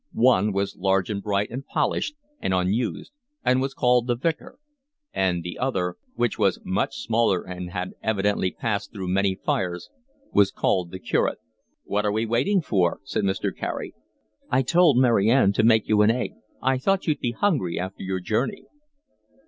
One was large and bright and polished and unused, and was called the Vicar; and the other, which was much smaller and had evidently passed through many fires, was called the Curate. "What are we waiting for?" said Mr. Carey. "I told Mary Ann to make you an egg. I thought you'd be hungry after your journey."